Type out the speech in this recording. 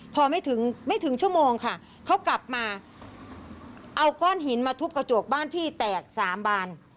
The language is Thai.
พอไม่ถึงไม่ถึงชั่วโมงค่ะเขากลับมาเอาก้อนหินมาทุบกระจกบ้านพี่แตกสามบาน